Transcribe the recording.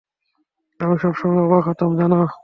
আমি সবসময় অবাক হতাম, জানো।